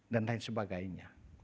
dan lain sebagainya